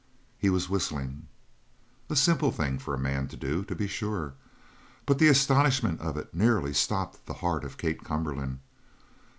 He was whistling. A simple thing for a man to do, to be sure, but the astonishment of it nearly stopped the heart of Kate Cumberland.